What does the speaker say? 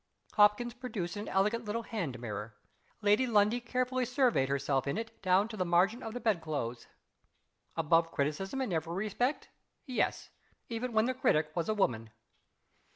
Hopkins produced an elegant little hand mirror. Lady Lundie carefully surveyed herself in it down to the margin of the bedclothes. Above criticism in every respect? Yes even when the critic was a woman.